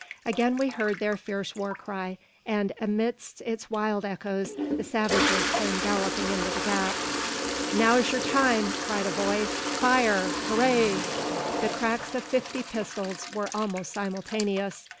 Again we heard their fierce war cry, and amidst its wild echoes the savages came galloping into the gap. "Now's yur time," cried a voice; "fire! Hooray!" The cracks of fifty pistols were almost simultaneous.